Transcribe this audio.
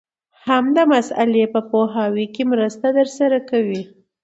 هم د مسألې په پوهاوي کي مرسته درسره کوي.